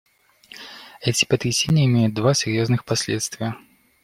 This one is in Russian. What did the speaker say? Эти потрясения имеют два серьезных последствия.